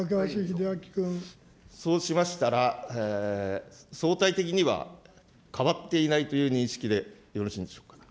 そうしましたら、相対的には変わっていないという認識でよろしいんでしょうか。